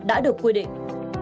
đã được quy định